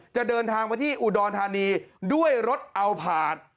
จะเดินทางมาที่อุดรธานีด้วยรถอัลพาร์ท